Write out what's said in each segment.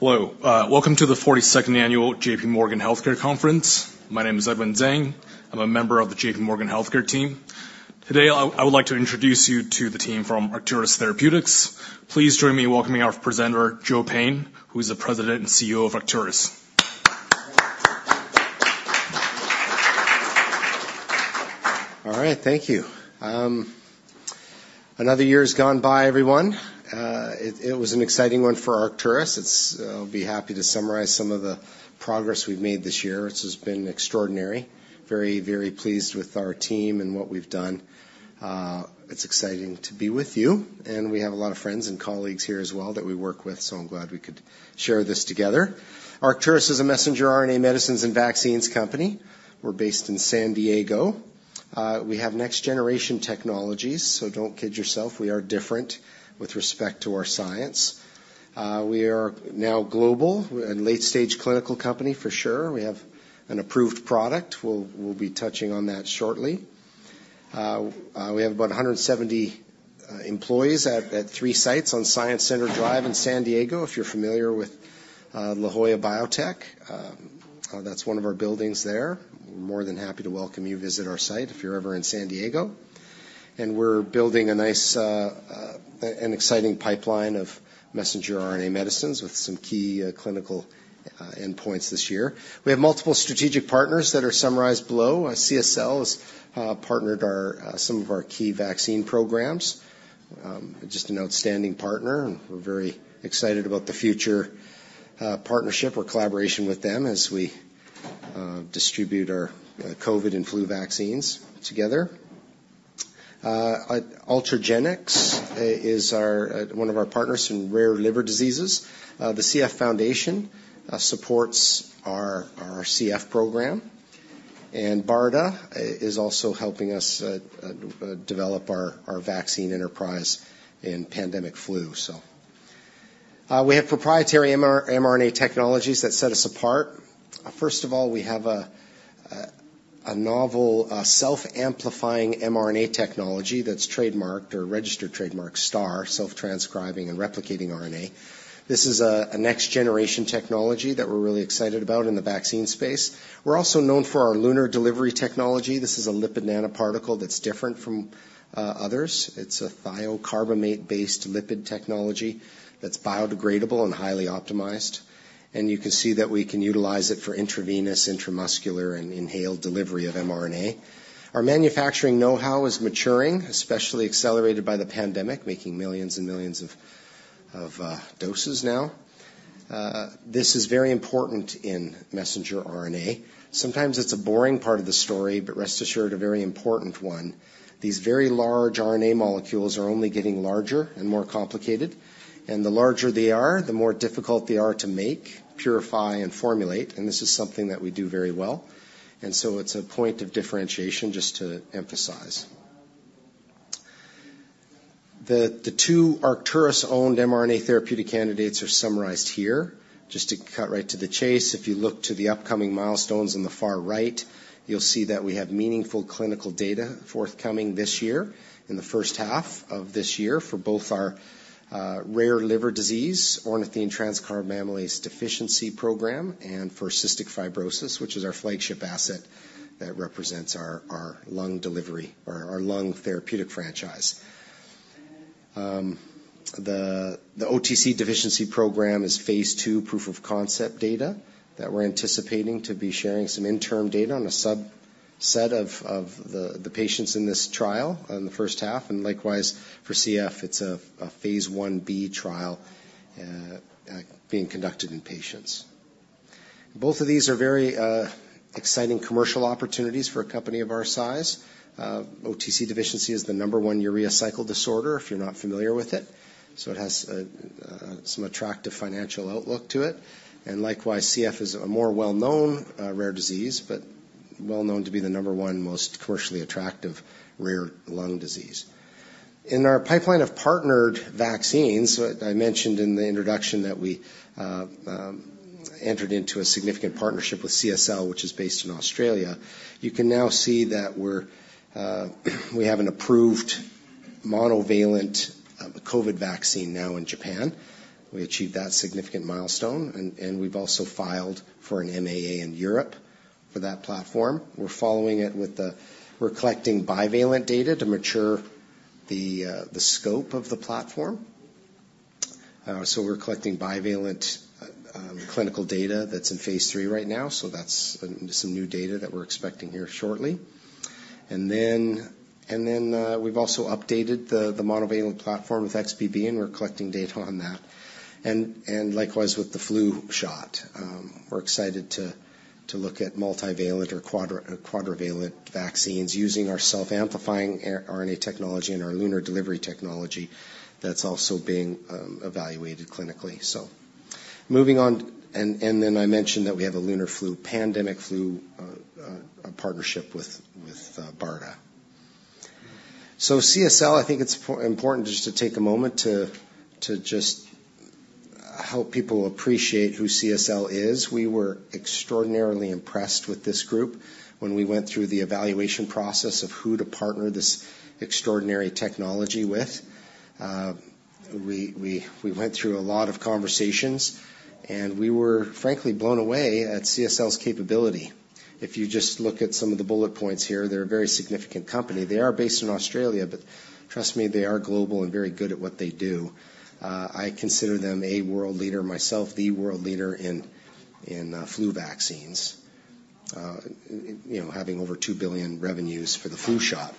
Right. Hello, welcome to the 42nd Annual JPMorgan Healthcare Conference. My name is Edwin Zhang. I'm a member of the JPMorgan Healthcare team. Today, I would like to introduce you to the team from Arcturus Therapeutics. Please join me in welcoming our presenter, Joe Payne, who is the President and CEO of Arcturus. All right, thank you. Another year has gone by, everyone. It was an exciting one for Arcturus. I'll be happy to summarize some of the progress we've made this year, which has been extraordinary. Very, very pleased with our team and what we've done. It's exciting to be with you, and we have a lot of friends and colleagues here as well that we work with, so I'm glad we could share this together. Arcturus is a messenger RNA medicines and vaccines company. We're based in San Diego. We have next-generation technologies, so don't kid yourself, we are different with respect to our science. We are now global. We're a late-stage clinical company, for sure. We have an approved product. We'll be touching on that shortly. We have about 170 employees at three sites on Science Center Drive in San Diego. If you're familiar with La Jolla biotech, that's one of our buildings there. We're more than happy to welcome you visit our site if you're ever in San Diego. And we're building a nice and exciting pipeline of messenger RNA medicines with some key clinical endpoints this year. We have multiple strategic partners that are summarized below. CSL has partnered our some of our key vaccine programs. Just an outstanding partner, and we're very excited about the future partnership or collaboration with them as we distribute our COVID and flu vaccines together. Ultragenyx is our one of our partners in rare liver diseases. The CF Foundation supports our CF program, and BARDA is also helping us develop our vaccine enterprise in pandemic flu, so... We have proprietary mRNA technologies that set us apart. First of all, we have a novel self-amplifying mRNA technology that's trademarked or registered trademark STARR, self-transcribing and replicating RNA. This is a next-generation technology that we're really excited about in the vaccine space. We're also known for our LUNAR delivery technology. This is a lipid nanoparticle that's different from others. It's a thiocarbamate-based lipid technology that's biodegradable and highly optimized, and you can see that we can utilize it for intravenous, intramuscular, and inhaled delivery of mRNA. Our manufacturing know-how is maturing, especially accelerated by the pandemic, making millions and millions of doses now. This is very important in messenger RNA. Sometimes it's a boring part of the story, but rest assured, a very important one. These very large RNA molecules are only getting larger and more complicated, and the larger they are, the more difficult they are to make, purify, and formulate, and this is something that we do very well, and so it's a point of differentiation just to emphasize. The two Arcturus-owned mRNA therapeutic candidates are summarized here. Just to cut right to the chase, if you look to the upcoming milestones on the far right, you'll see that we have meaningful clinical data forthcoming this year, in the first half of this year, for both our rare liver disease, ornithine transcarbamylase deficiency program, and for cystic fibrosis, which is our flagship asset that represents our lung delivery or our lung therapeutic franchise. The OTC deficiency program is phase I proof-of-concept data that we're anticipating to be sharing some interim data on a subset of the patients in this trial in the first half, and likewise, for CF, it's a phase Ib trial being conducted in patients. Both of these are very exciting commercial opportunities for a company of our size. OTC deficiency is the number one urea cycle disorder, if you're not familiar with it, so it has some attractive financial outlook to it. Likewise, CF is a more well-known rare disease, but well known to be the number one most commercially attractive rare lung disease. In our pipeline of partnered vaccines, I mentioned in the introduction that we entered into a significant partnership with CSL, which is based in Australia. You can now see that we have an approved monovalent COVID vaccine now in Japan. We achieved that significant milestone, and we've also filed for an MAA in Europe for that platform. We're following it with. We're collecting bivalent data to mature the scope of the platform. So we're collecting bivalent clinical data that's in phase III right now, so that's some new data that we're expecting here shortly. And then, we've also updated the monovalent platform with XBB, and we're collecting data on that. And likewise, with the flu shot, we're excited to look at multivalent or quadrivalent vaccines using our self-amplifying RNA technology and our LUNAR delivery technology that's also being evaluated clinically. So moving on, then I mentioned that we have a LUNAR flu pandemic partnership with BARDA. So CSL, I think it's important just to take a moment to just help people appreciate who CSL is. We were extraordinarily impressed with this group when we went through the evaluation process of who to partner this extraordinary technology with. We went through a lot of conversations, and we were frankly blown away at CSL's capability. If you just look at some of the bullet points here, they're a very significant company. They are based in Australia, but trust me, they are global and very good at what they do. I consider them a world leader, myself, the world leader in flu vaccines. You know, having over $2 billion revenues for the flu shot.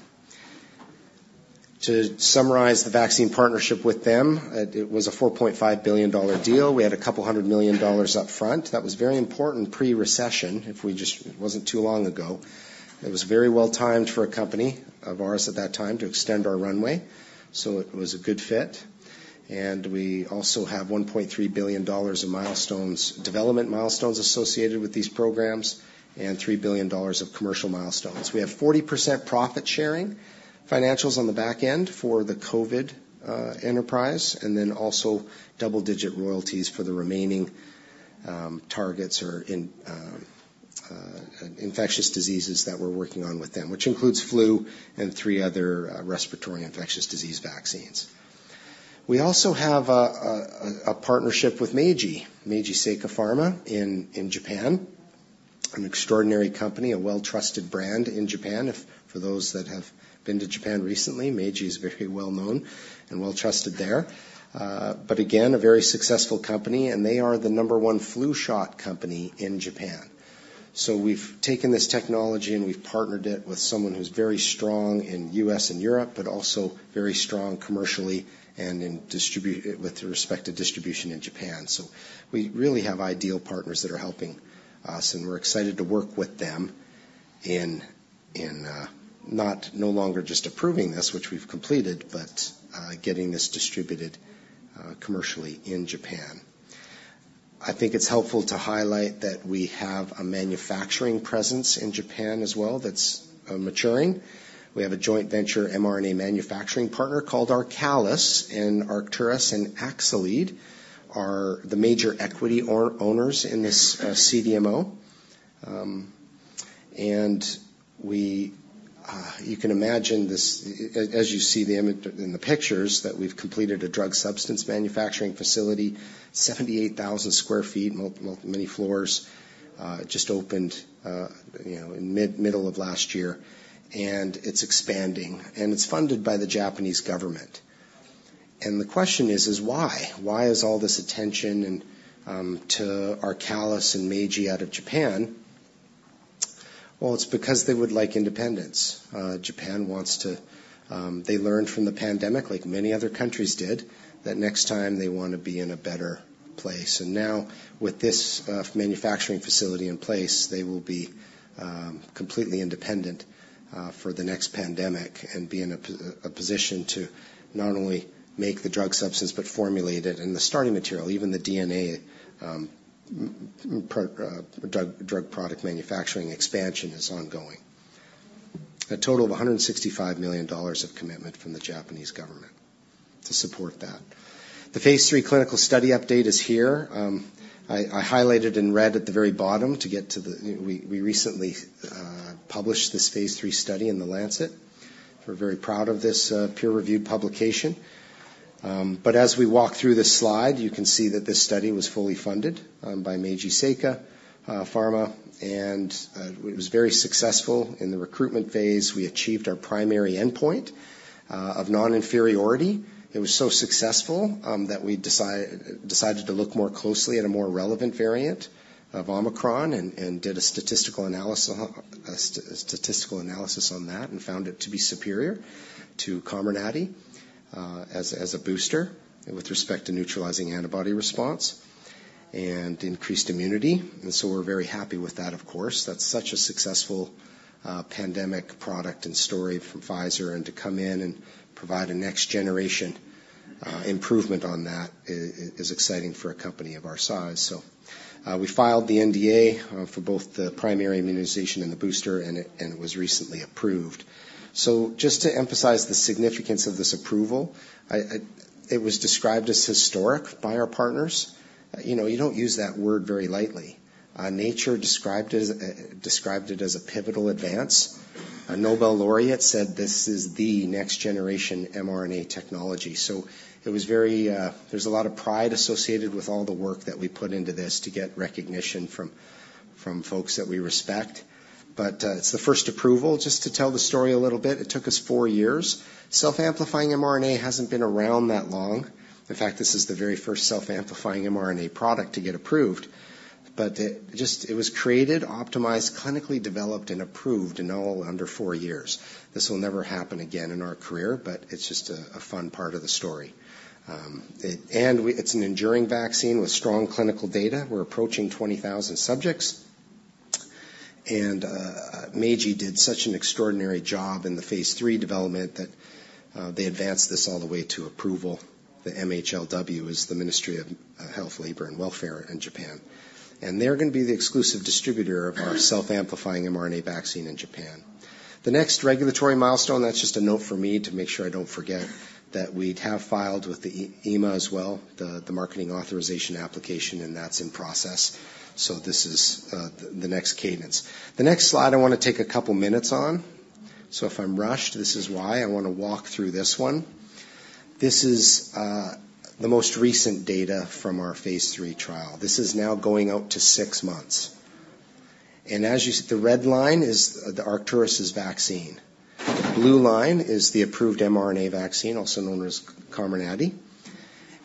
To summarize the vaccine partnership with them, it was a $4.5 billion deal. We had a couple hundred million dollars up front. That was very important pre-recession. It wasn't too long ago. It was very well timed for a company of ours at that time to extend our runway, so it was a good fit. And we also have $1.3 billion in milestones, development milestones associated with these programs, and $3 billion of commercial milestones. We have 40% profit sharing, financials on the back end for the COVID enterprise, and then also double-digit royalties for the remaining targets or in infectious diseases that we're working on with them, which includes flu and three other respiratory infectious disease vaccines. We also have a partnership with Meiji Seika Pharma in Japan. An extraordinary company, a well-trusted brand in Japan. For those that have been to Japan recently, Meiji is very well known and well trusted there. But again, a very successful company, and they are the number one flu shot company in Japan. So we've taken this technology, and we've partnered it with someone who's very strong in U.S. and Europe, but also very strong commercially and with respect to distribution in Japan. So we really have ideal partners that are helping us, and we're excited to work with them in no longer just approving this, which we've completed, but getting this distributed commercially in Japan. I think it's helpful to highlight that we have a manufacturing presence in Japan as well, that's maturing. We have a joint venture mRNA manufacturing partner called ARCALIS, and Arcturus and Axcelead are the major equity owners in this CDMO. And we... You can imagine this, as you see the image in the pictures, that we've completed a drug substance manufacturing facility, 78,000 sq ft, many floors, just opened, you know, in the middle of last year, and it's expanding, and it's funded by the Japanese government. And the question is, why? Why is all this attention and to ARCALIS and Meiji out of Japan? Well, it's because they would like independence. Japan wants to... They learned from the pandemic, like many other countries did, that next time they want to be in a better place. And now, with this, manufacturing facility in place, they will be completely independent for the next pandemic and be in a position to not only make the drug substance but formulate it. And the starting material, even the DNA, drug product manufacturing expansion is ongoing. A total of $165 million of commitment from the Japanese government to support that. The phase III clinical study update is here. I highlighted in red at the very bottom to get to the... We recently published this phase III study in The Lancet. We're very proud of this peer-reviewed publication. But as we walk through this slide, you can see that this study was fully funded by Meiji Seika Pharma, and it was very successful. In the recruitment phase, we achieved our primary endpoint of non-inferiority. It was so successful that we decided to look more closely at a more relevant variant of Omicron and did a statistical analysis on that and found it to be superior to Comirnaty as a booster with respect to neutralizing antibody response and increased immunity. And so we're very happy with that, of course. That's such a successful pandemic product and story from Pfizer, and to come in and provide a next generation improvement on that is exciting for a company of our size. So we filed the NDA for both the primary immunization and the booster, and it was recently approved. So just to emphasize the significance of this approval, it was described as historic by our partners. You know, you don't use that word very lightly. Nature described it as a pivotal advance. A Nobel laureate said, "This is the next generation mRNA technology." So it was very. There's a lot of pride associated with all the work that we put into this to get recognition from folks that we respect. But it's the first approval. Just to tell the story a little bit, it took us four years. Self-amplifying mRNA hasn't been around that long. In fact, this is the very first self-amplifying mRNA product to get approved, but it was created, optimized, clinically developed, and approved all under four years. This will never happen again in our career, but it's just a fun part of the story. It's an enduring vaccine with strong clinical data. We're approaching 20,000 subjects. Meiji did such an extraordinary job in the phase III development that, they advanced this all the way to approval. The MHLW is the Ministry of Health, Labour and Welfare in Japan, and they're going to be the exclusive distributor of our self-amplifying mRNA vaccine in Japan. The next regulatory milestone, that's just a note for me to make sure I don't forget, that we have filed with the EMA as well, the marketing authorization application, and that's in process. So this is, the next cadence. The next slide I wanna take a couple minutes on, so if I'm rushed, this is why. I wanna walk through this one. This is, the most recent data from our phase III trial. This is now going out to six months. As you see, the red line is, the Arcturus' vaccine. The blue line is the approved mRNA vaccine, also known as COMIRNATY.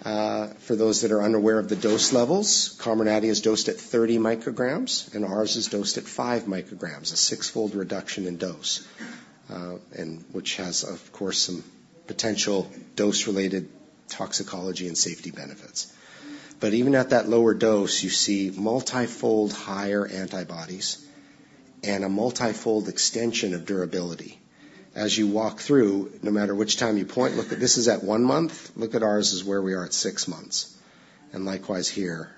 For those that are unaware of the dose levels, COMIRNATY is dosed at 30 micrograms, and ours is dosed at 5 micrograms, a 6-fold reduction in dose, and which has, of course, some potential dose-related toxicology and safety benefits. But even at that lower dose, you see multifold higher antibodies and a multifold extension of durability. As you walk through, no matter which time you point, look at... This is at 1 month. Look at ours is where we are at 6 months, and likewise here.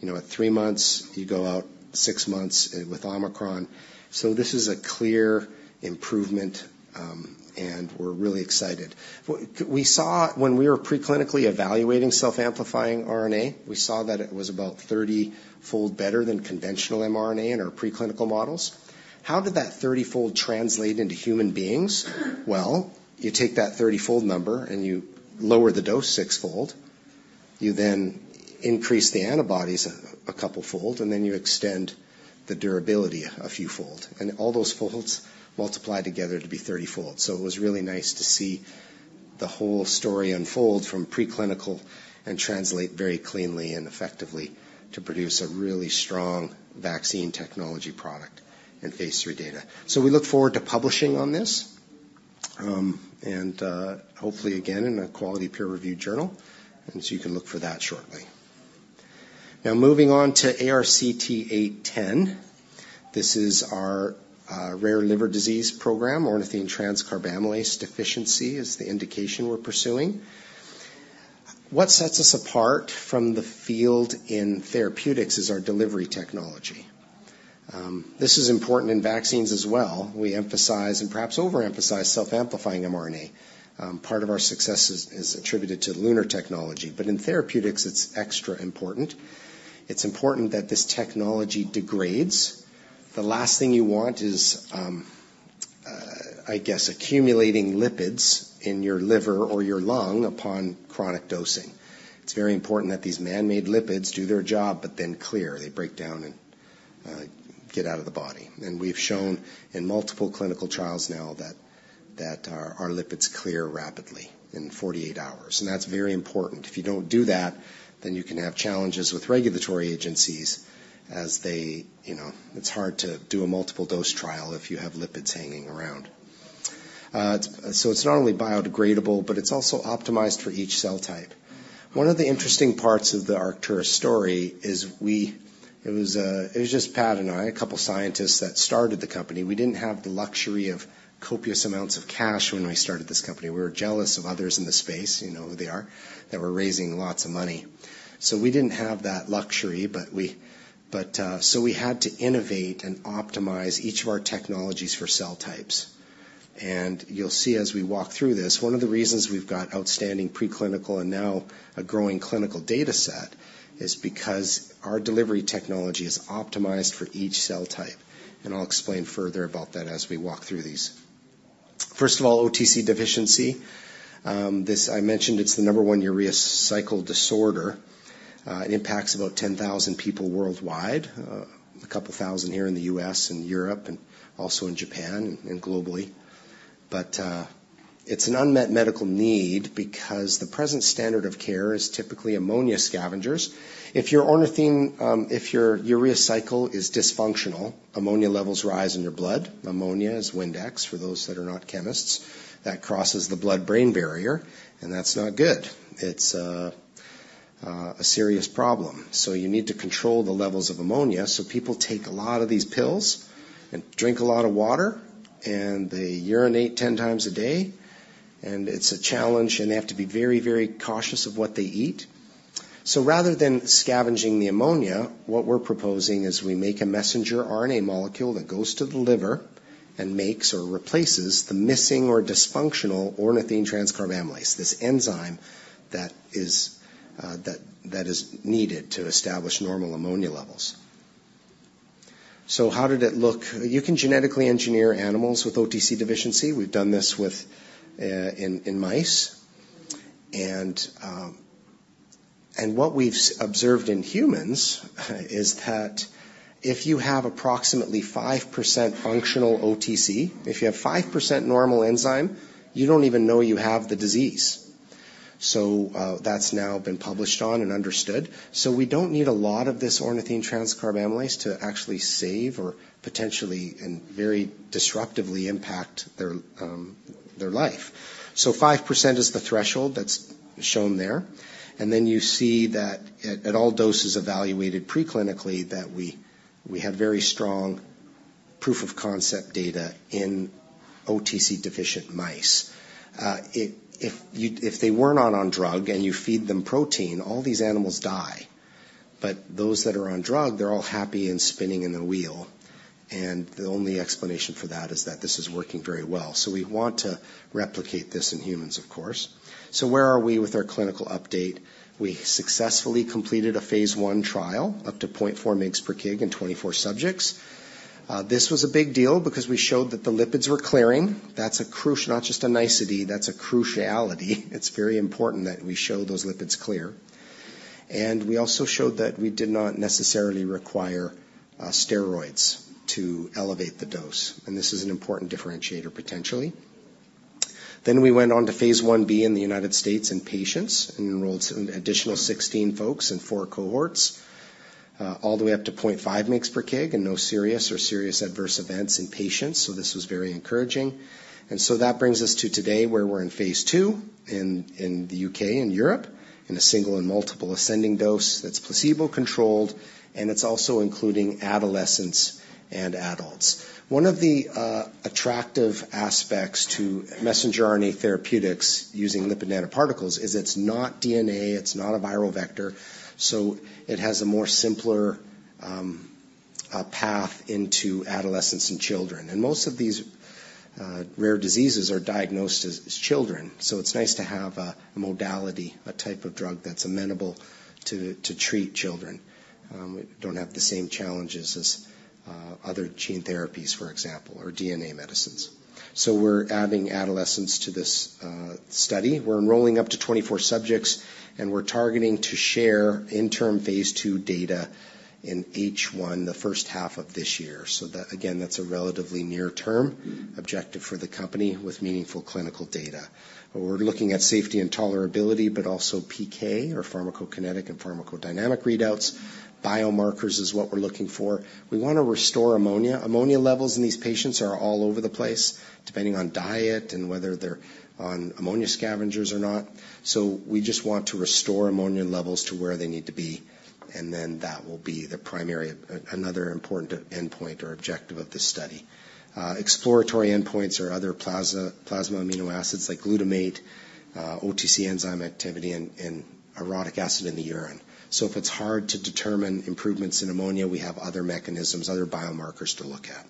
You know, at 3 months, you go out 6 months, with Omicron. So this is a clear improvement, and we're really excited. We saw when we were preclinically evaluating self-amplifying RNA, we saw that it was about 30-fold better than conventional mRNA in our preclinical models. How did that 30-fold translate into human beings? Well, you take that 30-fold number, and you lower the dose sixfold. You then increase the antibodies a couplefold, and then you extend the durability a fewfold, and all those folds multiply together to be 30-fold. So it was really nice to see the whole story unfold from preclinical and translate very cleanly and effectively to produce a really strong vaccine technology product in phase III data. So we look forward to publishing on this, and hopefully again in a quality peer-reviewed journal, and so you can look for that shortly. Now, moving on to ARCT-810. This is our rare liver disease program. Ornithine transcarbamylase deficiency is the indication we're pursuing. What sets us apart from the field in therapeutics is our delivery technology. This is important in vaccines as well. We emphasize, and perhaps overemphasize, self-amplifying mRNA. Part of our success is attributed to the LUNAR technology, but in therapeutics, it's extra important. It's important that this technology degrades. The last thing you want is, I guess, accumulating lipids in your liver or your lung upon chronic dosing. It's very important that these man-made lipids do their job, but then clear. They break down and get out of the body, and we've shown in multiple clinical trials now that our lipids clear rapidly, in 48 hours, and that's very important. If you don't do that, then you can have challenges with regulatory agencies, as they... You know, it's hard to do a multiple-dose trial if you have lipids hanging around. It's so it's not only biodegradable, but it's also optimized for each cell type. One of the interesting parts of the Arcturus story is we- it was, it was just Pad and I, a couple scientists that started the company. We didn't have the luxury of copious amounts of cash when we started this company. We were jealous of others in the space, you know who they are, that were raising lots of money. So we didn't have that luxury, but we- but, so we had to innovate and optimize each of our technologies for cell types. And you'll see as we walk through this, one of the reasons we've got outstanding preclinical and now a growing clinical data set is because our delivery technology is optimized for each cell type, and I'll explain further about that as we walk through these. First of all, OTC deficiency, this I mentioned, it's the number one urea cycle disorder. It impacts about 10,000 people worldwide, a couple thousand here in the U.S. and Europe, and also in Japan and globally. But, it's an unmet medical need because the present standard of care is typically ammonia scavengers. If your ornithine, if your urea cycle is dysfunctional, ammonia levels rise in your blood. Ammonia is Windex, for those that are not chemists. That crosses the blood-brain barrier, and that's not good. It's a serious problem, so you need to control the levels of ammonia, so people take a lot of these pills and drink a lot of water, and they urinate 10 times a day, and it's a challenge, and they have to be very, very cautious of what they eat. So rather than scavenging the ammonia, what we're proposing is we make a messenger RNA molecule that goes to the liver and makes or replaces the missing or dysfunctional ornithine transcarbamylase, this enzyme that is, that is needed to establish normal ammonia levels. So how did it look? You can genetically engineer animals with OTC deficiency. We've done this with, in mice, and what we've observed in humans is that if you have approximately 5% functional OTC, if you have 5% normal enzyme, you don't even know you have the disease. So, that's now been published on and understood. So we don't need a lot of this ornithine transcarbamylase to actually save or potentially and very disruptively impact their, their life. So 5% is the threshold that's shown there, and then you see that at all doses evaluated preclinically, that we have very strong proof-of-concept data in OTC-deficient mice. If they were not on drug, and you feed them protein, all these animals die. But those that are on drug, they're all happy and spinning in the wheel, and the only explanation for that is that this is working very well. So we want to replicate this in humans, of course. So where are we with our clinical update? We successfully completed a phase I trial, up to 0.4 mg/kg in 24 subjects. This was a big deal because we showed that the lipids were clearing. That's a crucial, not just a nicety, that's crucial. It's very important that we show those lipids clear. We also showed that we did not necessarily require steroids to elevate the dose, and this is an important differentiator, potentially. We went on to phase Ib in the United States in patients, and enrolled an additional 16 folks in 4 cohorts, all the way up to 0.5 mg/kg, and no serious or serious adverse events in patients, so this was very encouraging. That brings us to today, where we're in phase II in the U.K. and Europe, in a single and multiple ascending dose that's placebo-controlled, and it's also including adolescents and adults. One of the attractive aspects to messenger RNA therapeutics using lipid nanoparticles is it's not DNA, it's not a viral vector, so it has a more simpler path into adolescents and children. Most of these rare diseases are diagnosed as children, so it's nice to have a modality, a type of drug that's amenable to treat children. We don't have the same challenges as other gene therapies, for example, or DNA medicines. So we're adding adolescents to this study. We're enrolling up to 24 subjects, and we're targeting to share interim phase II data in H1, the first half of this year. So that, again, that's a relatively near-term objective for the company with meaningful clinical data. We're looking at safety and tolerability, but also PK, or pharmacokinetic and pharmacodynamic readouts. Biomarkers is what we're looking for. We want to restore ammonia. Ammonia levels in these patients are all over the place, depending on diet and whether they're on ammonia scavengers or not. So we just want to restore ammonia levels to where they need to be, and then that will be the primary, another important endpoint or objective of this study. Exploratory endpoints are other plasma amino acids like glutamate, OTC enzyme activity, and orotic acid in the urine. So if it's hard to determine improvements in ammonia, we have other mechanisms, other biomarkers to look at.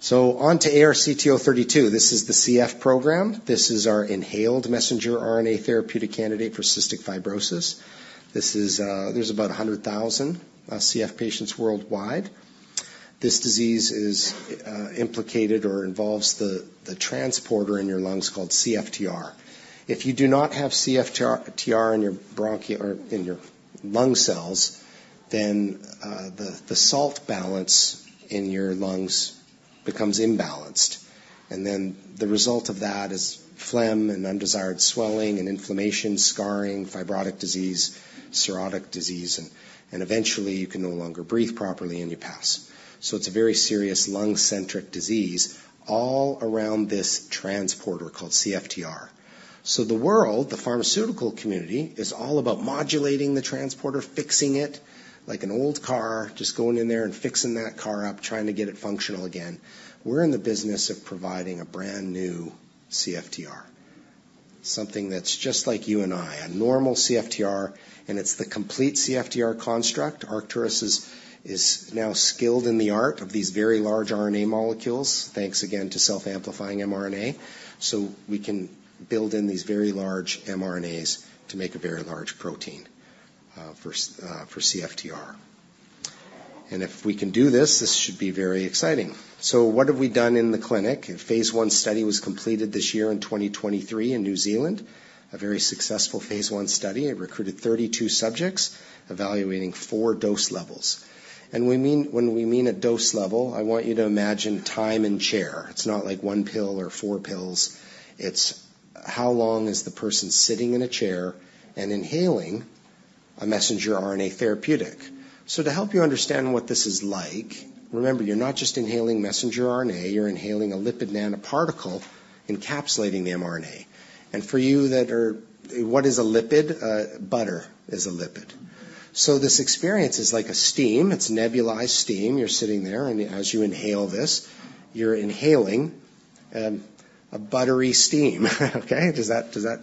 So on to ARCT-032. This is the CF program. This is our inhaled messenger RNA therapeutic candidate for cystic fibrosis. There's about 100,000 CF patients worldwide. This disease is implicated or involves the transporter in your lungs called CFTR. If you do not have CFTR in your bronchial or in your lung cells, then the salt balance in your lungs becomes imbalanced, and then the result of that is phlegm and undesired swelling and inflammation, scarring, fibrotic disease, cirrhotic disease, and eventually you can no longer breathe properly, and you pass. So it's a very serious lung-centric disease all around this transporter called CFTR. So the world, the pharmaceutical community, is all about modulating the transporter, fixing it, like an old car, just going in there and fixing that car up, trying to get it functional again. We're in the business of providing a brand-new CFTR, something that's just like you and I, a normal CFTR, and it's the complete CFTR construct. Arcturus is now skilled in the art of these very large RNA molecules, thanks again to self-amplifying mRNA. So we can build in these very large mRNAs to make a very large protein, for CFTR. And if we can do this, this should be very exciting. So what have we done in the clinic? A phase I study was completed this year in 2023 in New Zealand, a very successful phase I study. It recruited 32 subjects, evaluating 4 dose levels. And when we mean a dose level, I want you to imagine time and chair. It's not like 1 pill or 4 pills. It's how long is the person sitting in a chair and inhaling a messenger RNA therapeutic? So to help you understand what this is like, remember, you're not just inhaling messenger RNA, you're inhaling a lipid nanoparticle encapsulating the mRNA. And for you that are, "What is a lipid?" Butter is a lipid. So this experience is like a steam. It's nebulized steam. You're sitting there, and as you inhale this, you're inhaling, a buttery steam. Okay? Does that, does that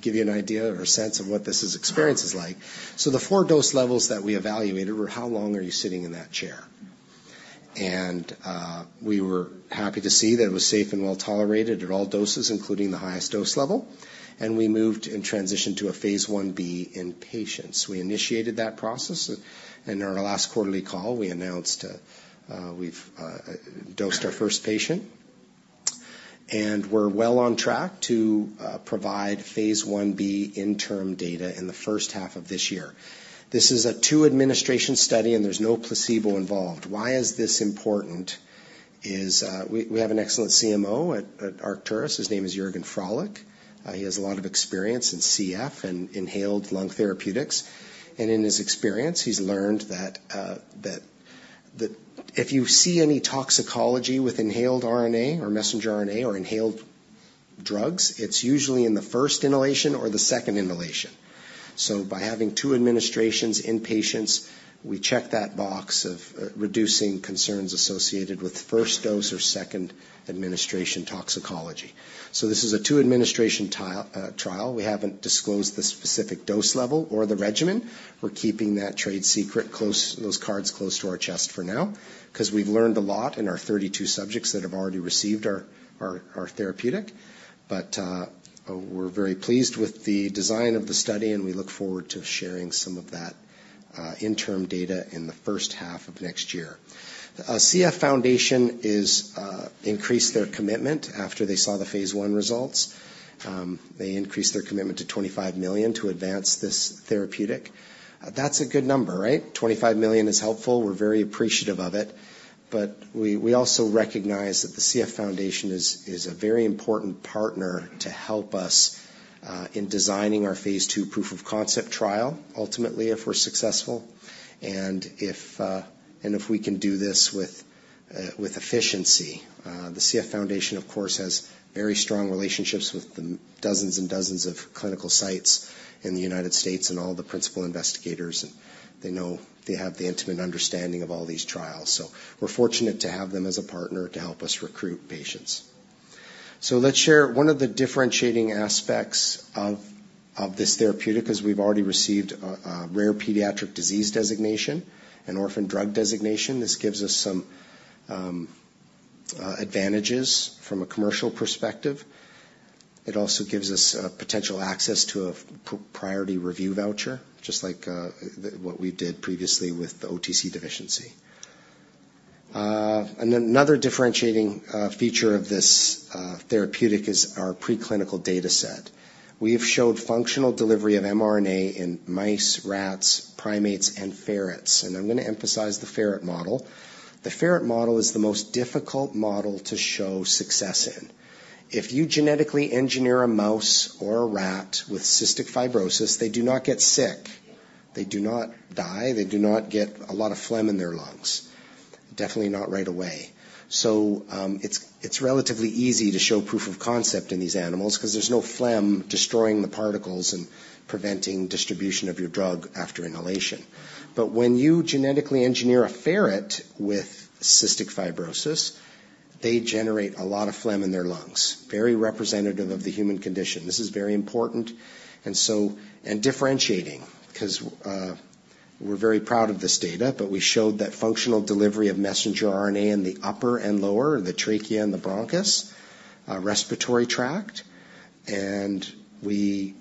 give you an idea or a sense of what this experience is like? So the four dose levels that we evaluated were, how long are you sitting in that chair? We were happy to see that it was safe and well-tolerated at all doses, including the highest dose level, and we moved in transition to a phase Ib in patients. We initiated that process, and in our last quarterly call, we announced, we've dosed our first patient. We're well on track to provide phase Ib interim data in the first half of this year. This is a two-administration study, and there's no placebo involved. Why is this important, is... We have an excellent CMO at Arcturus. His name is Jürgen Froehlich. He has a lot of experience in CF and inhaled lung therapeutics. In his experience, he's learned that if you see any toxicology with inhaled RNA or messenger RNA or inhaled drugs, it's usually in the first inhalation or the second inhalation. So by having two administrations in patients, we check that box of reducing concerns associated with first dose or second administration toxicology. So this is a two-administration trial. We haven't disclosed the specific dose level or the regimen. We're keeping that trade secret close, those cards close to our chest for now, 'cause we've learned a lot in our 32 subjects that have already received our therapeutic. But, we're very pleased with the design of the study, and we look forward to sharing some of that, interim data in the first half of next year. CF Foundation is, increased their commitment after they saw the phase I results. They increased their commitment to $25 million to advance this therapeutic. That's a good number, right? $25 million is helpful. We're very appreciative of it, but we, we also recognize that the CF Foundation is, is a very important partner to help us, in designing our phase II proof of concept trial, ultimately, if we're successful, and if, and if we can do this with, with efficiency. The CF Foundation, of course, has very strong relationships with the dozens and dozens of clinical sites in the United States and all the principal investigators, and they know they have the intimate understanding of all these trials. So we're fortunate to have them as a partner to help us recruit patients. So let's share one of the differentiating aspects of this therapeutic, as we've already received a rare pediatric disease designation, an orphan drug designation. This gives us some advantages from a commercial perspective. It also gives us potential access to a priority review voucher, just like what we did previously with the OTC deficiency. And another differentiating feature of this therapeutic is our preclinical data set. We have showed functional delivery of mRNA in mice, rats, primates, and ferrets, and I'm gonna emphasize the ferret model. The ferret model is the most difficult model to show success in. If you genetically engineer a mouse or a rat with cystic fibrosis, they do not get sick. They do not die. They do not get a lot of phlegm in their lungs, definitely not right away. So, it's relatively easy to show proof of concept in these animals 'cause there's no phlegm destroying the particles and preventing distribution of your drug after inhalation. But when you genetically engineer a ferret with cystic fibrosis, they generate a lot of phlegm in their lungs, very representative of the human condition. This is very important and so... And differentiating, 'cause, we're very proud of this data, but we showed that functional delivery of messenger RNA in the upper and lower, the trachea and the bronchus, respiratory tract. We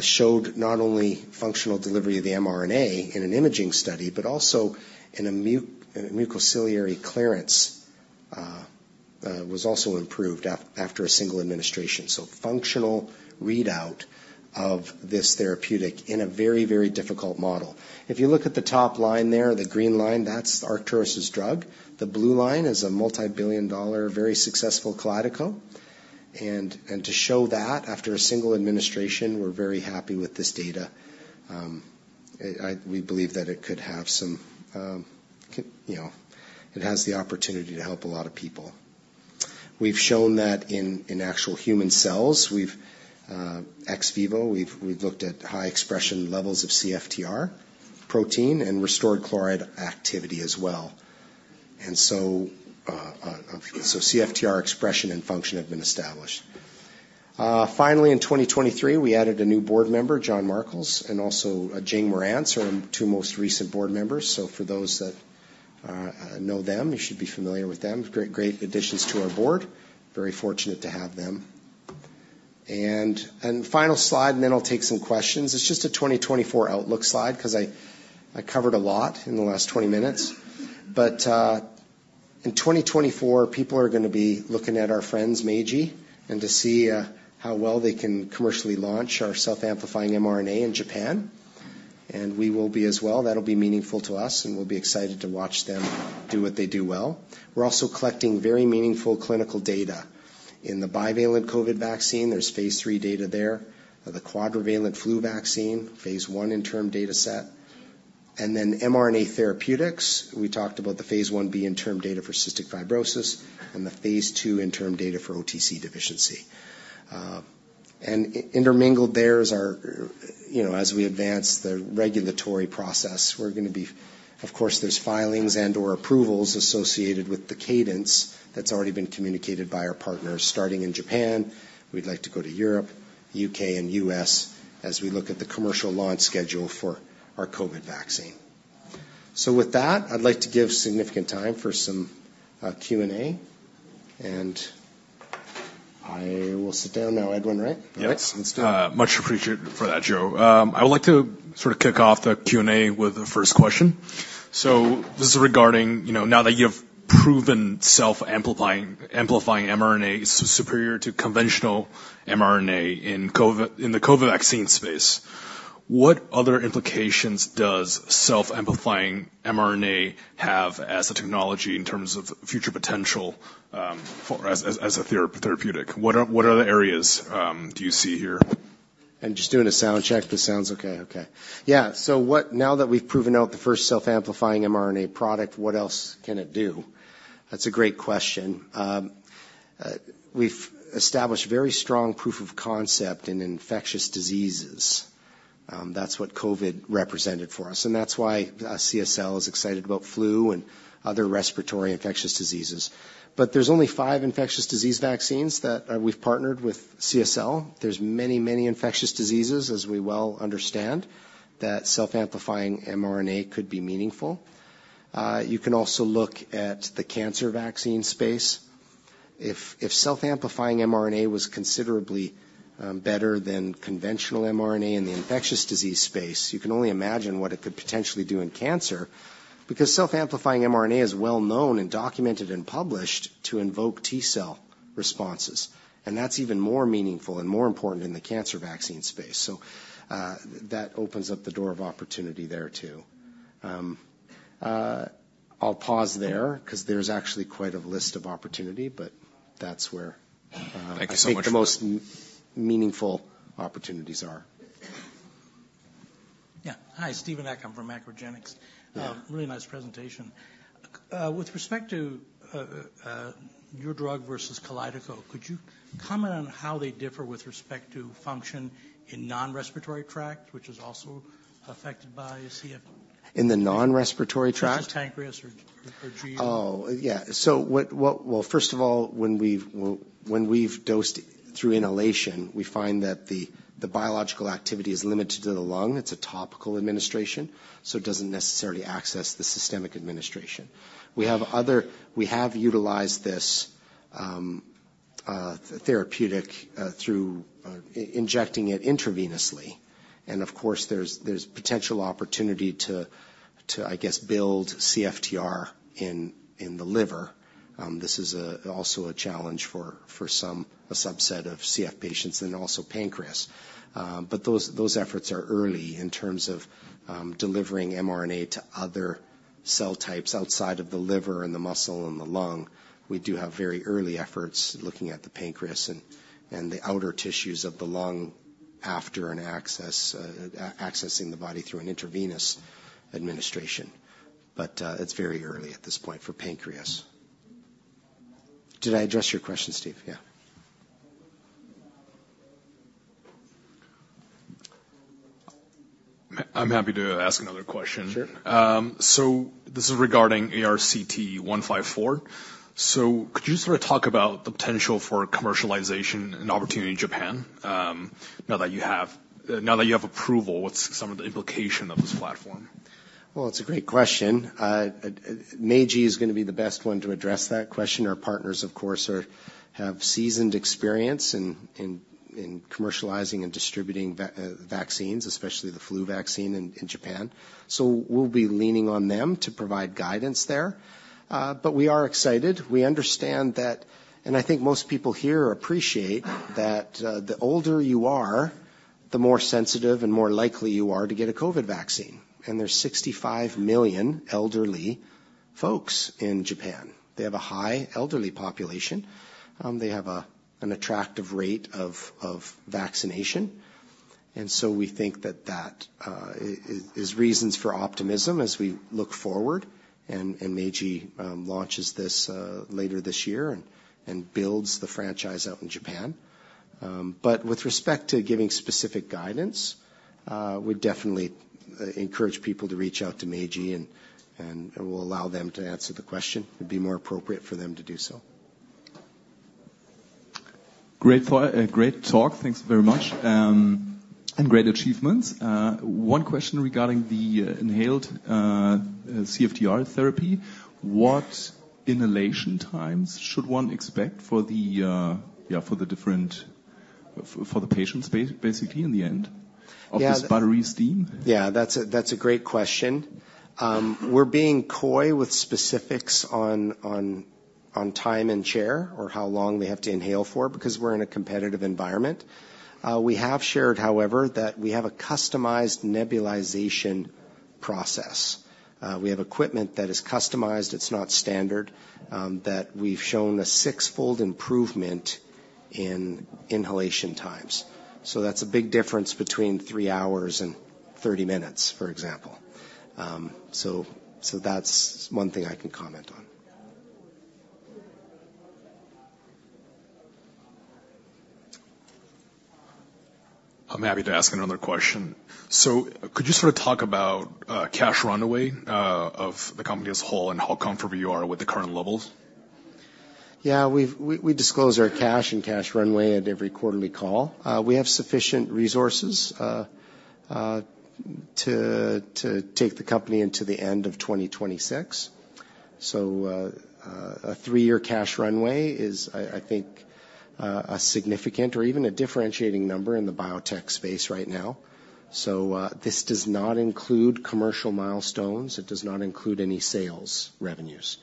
showed not only functional delivery of the mRNA in an imaging study, but also in a mucociliary clearance was also improved after a single administration. So functional readout of this therapeutic in a very, very difficult model. If you look at the top line there, the green line, that's Arcturus's drug. The blue line is a multi-billion dollar, very successful KALYDECO. And to show that after a single administration, we're very happy with this data. We believe that it could have some, you know, it has the opportunity to help a lot of people. We've shown that in actual human cells. We've ex vivo, we've looked at high expression levels of CFTR protein and restored chloride activity as well. And so, so CFTR expression and function have been established. Finally, in 2023, we added a new board member, John Markels, and also Jane Moran, are our two most recent board members. So for those that know them, you should be familiar with them. Great, great additions to our board. Very fortunate to have them. final slide, and then I'll take some questions. It's just a 2024 outlook slide, 'cause I, I covered a lot in the last 20 minutes. But, in 2024, people are gonna be looking at our friends, Meiji, and to see, how well they can commercially launch our self-amplifying mRNA in Japan, and we will be as well. That'll be meaningful to us, and we'll be excited to watch them do what they do well. We're also collecting very meaningful clinical data. In the bivalent COVID vaccine, there's phase III data there. The quadrivalent flu vaccine, phase I interim data set. And then mRNA therapeutics, we talked about the phase Ib interim data for cystic fibrosis and the phase II interim data for OTC deficiency. Intermingled there is our, you know, as we advance the regulatory process, we're gonna be... Of course, there's filings and/or approvals associated with the cadence that's already been communicated by our partners. Starting in Japan, we'd like to go to Europe, U.K., and U.S. as we look at the commercial launch schedule for our COVID vaccine. So with that, I'd like to give significant time for some Q&A, and I will sit down now, Edwin, right? Yes. Let's do it. Much appreciated for that, Joe. I would like to sort of kick off the Q&A with the first question. So this is regarding, you know, now that you've proven self-amplifying mRNA is superior to conventional mRNA in the COVID vaccine space, what other implications does self-amplifying mRNA have as a technology in terms of future potential for as a therapeutic? What other areas do you see here?... I'm just doing a sound check. This sounds okay? Okay. Yeah, so what now that we've proven out the first self-amplifying mRNA product, what else can it do? That's a great question. We've established very strong proof of concept in infectious diseases. That's what COVID represented for us, and that's why CSL is excited about flu and other respiratory infectious diseases. But there's only five infectious disease vaccines that we've partnered with CSL. There's many, many infectious diseases, as we well understand, that self-amplifying mRNA could be meaningful. You can also look at the cancer vaccine space. If self-amplifying mRNA was considerably better than conventional mRNA in the infectious disease space, you can only imagine what it could potentially do in cancer, because self-amplifying mRNA is well known and documented and published to invoke T-cell responses, and that's even more meaningful and more important in the cancer vaccine space. So, that opens up the door of opportunity there, too. I'll pause there 'cause there's actually quite a list of opportunity, but that's where- Thank you so much. I think the most meaningful opportunities are. Yeah. Hi, Stephen Eck from MacroGenics. Yeah. Really nice presentation. With respect to your drug versus KALYDECO, could you comment on how they differ with respect to function in non-respiratory tract, which is also affected by CF? In the non-respiratory tract? Such as pancreas or GI. Oh, yeah. Well, first of all, when we've dosed through inhalation, we find that the biological activity is limited to the lung. It's a topical administration, so it doesn't necessarily access the systemic administration. We have utilized this therapeutic through injecting it intravenously. And of course, there's potential opportunity to, I guess, build CFTR in the liver. This is also a challenge for some, a subset of CF patients and also pancreas. But those efforts are early in terms of delivering mRNA to other cell types outside of the liver and the muscle and the lung. We do have very early efforts looking at the pancreas and the outer tissues of the lung after accessing the body through an intravenous administration, but it's very early at this point for pancreas. Did I address your question, Steve? Yeah. I'm happy to ask another question. Sure. This is regarding ARCT-154. Could you sort of talk about the potential for commercialization and opportunity in Japan, now that you have, now that you have approval, what's some of the implication of this platform? Well, it's a great question. Meiji is gonna be the best one to address that question. Our partners, of course, have seasoned experience in commercializing and distributing vaccines, especially the flu vaccine in Japan. So we'll be leaning on them to provide guidance there. But we are excited. We understand that, and I think most people here appreciate, that the older you are, the more sensitive and more likely you are to get a COVID vaccine, and there's 65 million elderly folks in Japan. They have a high elderly population. They have an attractive rate of vaccination, and so we think that that is reasons for optimism as we look forward and Meiji launches this later this year and builds the franchise out in Japan. But with respect to giving specific guidance, we'd definitely encourage people to reach out to Meiji, and we'll allow them to answer the question. It would be more appropriate for them to do so. Great talk. Thanks very much, and great achievements. One question regarding the inhaled CFTR therapy. What inhalation times should one expect for the different for the patients, basically, in the end- Yeah. - of this buttery steam? Yeah, that's a, that's a great question. We're being coy with specifics on, on, on time and chair, or how long they have to inhale for, because we're in a competitive environment. We have shared, however, that we have a customized nebulization process. We have equipment that is customized, it's not standard, that we've shown a sixfold improvement in inhalation times. So that's a big difference between 3 hours and 30 minutes, for example. So, so that's one thing I can comment on. I'm happy to ask another question. So could you sort of talk about cash runway of the company as a whole, and how comfortable you are with the current levels? Yeah, we disclose our cash and cash runway at every quarterly call. We have sufficient resources to take the company into the end of 2026. So, a three-year cash runway is, I think, a significant or even a differentiating number in the biotech space right now. So, this does not include commercial milestones. It does not include any sales revenues.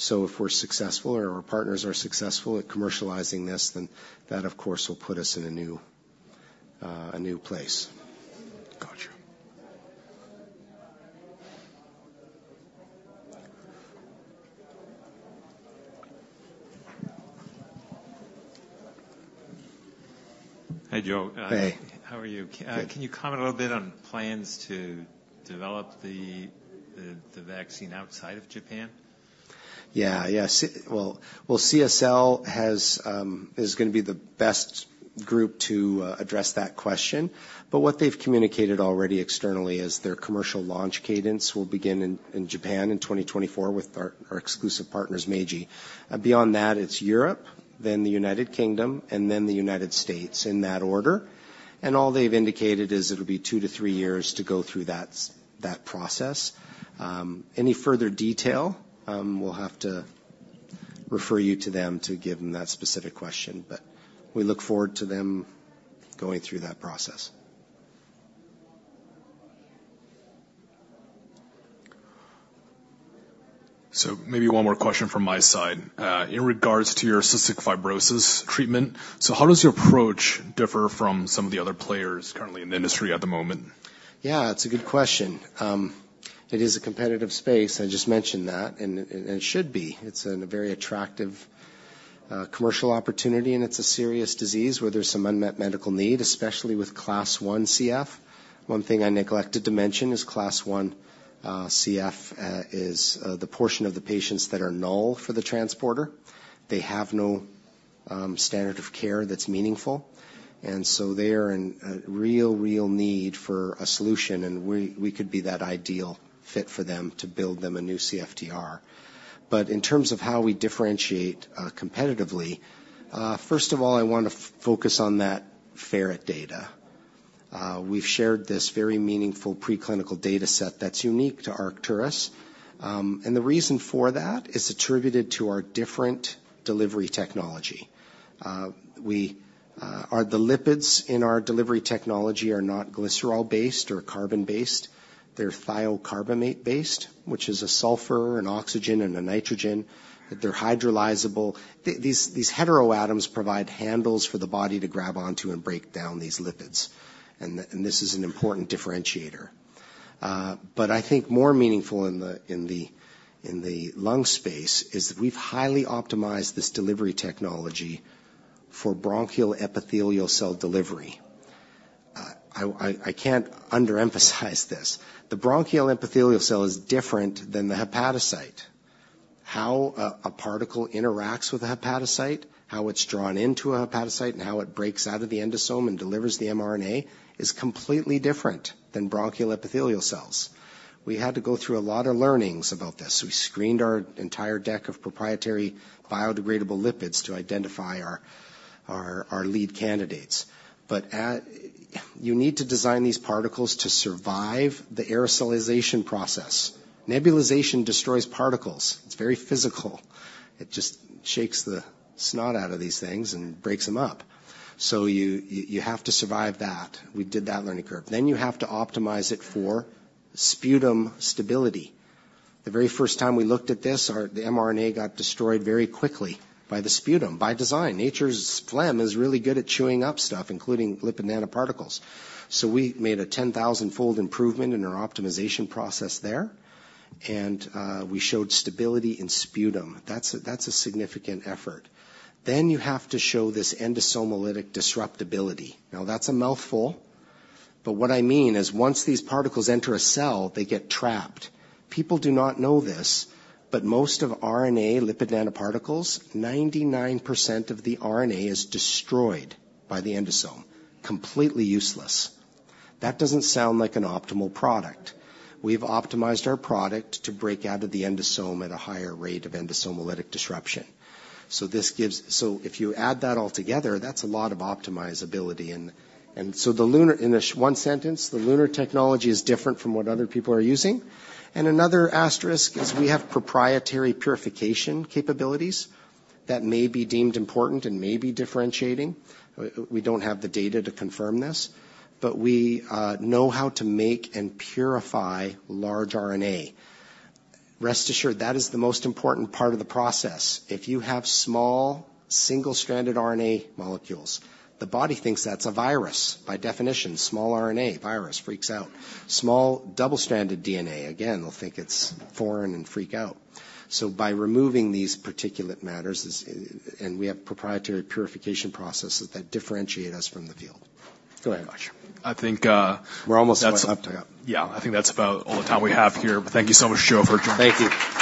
So if we're successful or our partners are successful at commercializing this, then that, of course, will put us in a new place.... Hi, Joe. Hey. How are you? Good. Can you comment a little bit on plans to develop the vaccine outside of Japan? Yeah. Yeah. Well, CSL is gonna be the best group to address that question. But what they've communicated already externally is their commercial launch cadence will begin in Japan in 2024 with our exclusive partners, Meiji. Beyond that, it's Europe, then the United Kingdom, and then the United States, in that order. And all they've indicated is it'll be 2 to 3 years to go through that process. Any further detail, we'll have to refer you to them to give them that specific question, but we look forward to them going through that process. Maybe one more question from my side. In regards to your cystic fibrosis treatment, so how does your approach differ from some of the other players currently in the industry at the moment? Yeah, it's a good question. It is a competitive space, I just mentioned that, and it should be. It's a very attractive commercial opportunity, and it's a serious disease where there's some unmet medical need, especially with Class I CF. One thing I neglected to mention is Class I CF is the portion of the patients that are null for the transporter. They have no standard of care that's meaningful, and so they are in a real, real need for a solution, and we could be that ideal fit for them to build them a new CFTR. But in terms of how we differentiate competitively, first of all, I want to focus on that ferret data. We've shared this very meaningful preclinical data set that's unique to Arcturus, and the reason for that is attributed to our different delivery technology. The lipids in our delivery technology are not glycerol-based or carbon-based, they're thiocarbamate-based, which is a sulfur, an oxygen, and a nitrogen. They're hydrolyzable. These heteroatoms provide handles for the body to grab onto and break down these lipids, and this is an important differentiator. But I think more meaningful in the lung space is that we've highly optimized this delivery technology for bronchial epithelial cell delivery. I can't underemphasize this. The bronchial epithelial cell is different than the hepatocyte. How a particle interacts with the hepatocyte, how it's drawn into a hepatocyte, and how it breaks out of the endosome and delivers the mRNA, is completely different than bronchial epithelial cells. We had to go through a lot of learnings about this. We screened our entire deck of proprietary biodegradable lipids to identify our lead candidates. You need to design these particles to survive the aerosolization process. Nebulization destroys particles. It's very physical. It just shakes the snot out of these things and breaks them up. So you have to survive that. We did that learning curve. Then you have to optimize it for sputum stability. The very first time we looked at this, the mRNA got destroyed very quickly by the sputum, by design. Nature's phlegm is really good at chewing up stuff, including lipid nanoparticles. So we made a 10,000-fold improvement in our optimization process there, and we showed stability in sputum. That's a significant effort. Then you have to show this endosomolytic disruptibility. Now, that's a mouthful, but what I mean is once these particles enter a cell, they get trapped. People do not know this, but most of RNA lipid nanoparticles, 99% of the RNA is destroyed by the endosome, completely useless. That doesn't sound like an optimal product. We've optimized our product to break out of the endosome at a higher rate of endosomolytic disruption. So this gives- So if you add that all together, that's a lot of optimizability. And so the LUNAR... In a one sentence, the LUNAR technology is different from what other people are using. Another asterisk is we have proprietary purification capabilities that may be deemed important and may be differentiating. We, we don't have the data to confirm this, but we know how to make and purify large RNA. Rest assured, that is the most important part of the process. If you have small, single-stranded RNA molecules, the body thinks that's a virus. By definition, small RNA, virus, freaks out. Small, double-stranded DNA, again, will think it's foreign and freak out. So by removing these particulate matters, and we have proprietary purification processes that differentiate us from the field. Go ahead. Thank you very much. I think, We're almost up. Yeah. I think that's about all the time we have here, but thank you so much, Joe, for joining us. Thank you.